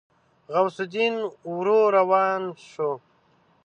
غوث الدين ورو روان شو.